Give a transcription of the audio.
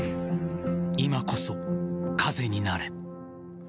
今こそ風になれ。